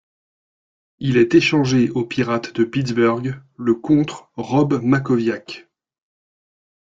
Il est échangé aux Pirates de Pittsburgh le contre Rob Mackowiak.